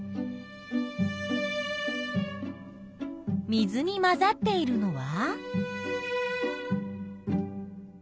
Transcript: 水に混ざっているのは？